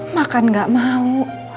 makan gak mau